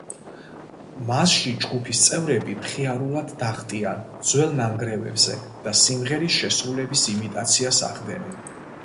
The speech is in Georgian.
მასში ჯგუფის წევრები მხიარულად დახტიან ძველ ნანგრევებზე და სიმღერის შესრულების იმიტაციას ახდენენ.